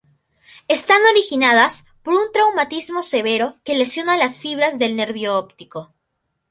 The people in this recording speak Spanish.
Están originadas por un traumatismo severo que lesiona las fibras del nervio óptico.